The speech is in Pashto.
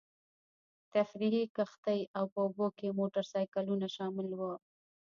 تفریحي کښتۍ او په اوبو کې موټرسایکلونه شامل وو.